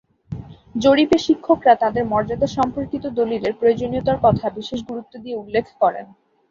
জরিপে শিক্ষকরা তাদের মর্যাদা সম্পর্কিত দলিলের প্রয়োজনীয়তার কথা বিশেষ গুরুত্ব দিয়ে উল্লেখ করেন।